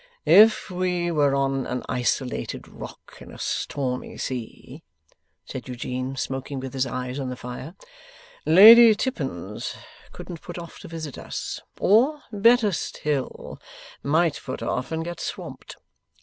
'If we were on an isolated rock in a stormy sea,' said Eugene, smoking with his eyes on the fire, 'Lady Tippins couldn't put off to visit us, or, better still, might put off and get swamped.